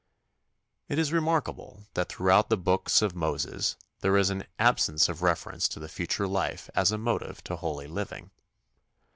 It is remarkable that throughout the books of Moses there is an absence of reference to the future life as a motive to holy living.